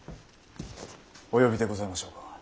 お呼びでございましょうか。